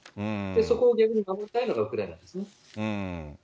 そこを逆に守りたいのがウクライナですね。